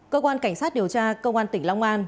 cơ quan cảnh sát điều tra công an tỉnh long an